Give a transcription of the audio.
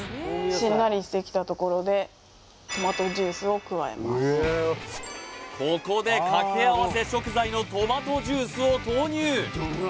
しんなりしてきたところでここで掛け合わせ食材のトマトジュースを投入